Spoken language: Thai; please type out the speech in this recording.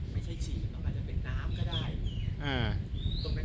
ไม่ใช่ฉี่แล้วอ่ะอ้าอย่างน้ำก็ได้อ่า